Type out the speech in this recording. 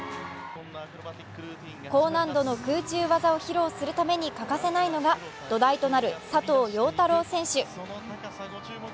高難度の空中技を披露するために欠かせないのが土台となる佐藤陽太郎選手。